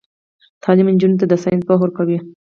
تعلیم نجونو ته د ساينس پوهه ورکوي.